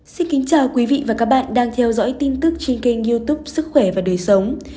xin kính chào quý vị và các bạn đang theo dõi tin tức trên kênh youtube sức khỏe và đời sống